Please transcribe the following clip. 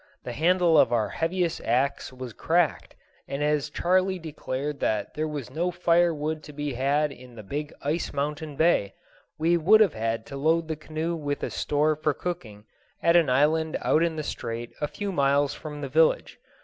The handle of our heaviest axe was cracked, and as Charley declared that there was no firewood to be had in the big ice mountain bay, we would have to load the canoe with a store for cooking at an island out in the Strait a few miles from the village.